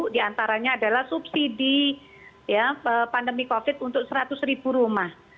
di antaranya adalah subsidi pandemi covid sembilan belas untuk seratus rumah